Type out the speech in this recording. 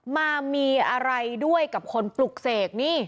มามีอะไรด้วยกับคนปลุกเสกนี่